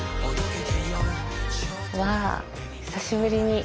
わあ久しぶりに。